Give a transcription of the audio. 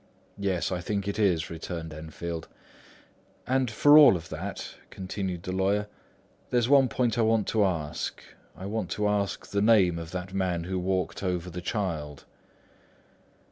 "Yes, I think it is," returned Enfield. "But for all that," continued the lawyer, "there's one point I want to ask. I want to ask the name of that man who walked over the child."